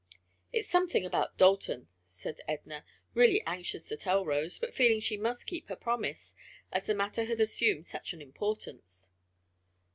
"It's something about Dalton," said Edna, really anxious to tell Rose, but feeling she must keep her promise, as the matter had assumed such an importance.